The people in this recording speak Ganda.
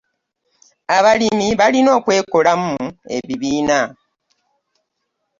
Abalimi balina okwekolamu ebibiina.